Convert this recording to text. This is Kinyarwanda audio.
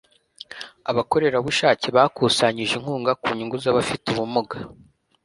abakorerabushake bakusanyije inkunga ku nyungu z'abafite ubumuga